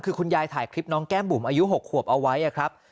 คือคุณยายถ่ายคลิปน้องแก้มบุ๋มอายุ๖ขวบเอาไว้ครับ